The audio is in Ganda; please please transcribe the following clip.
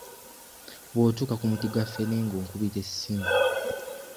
Bw'otuuka ku muti gwa ffene ng'onkubira essimu.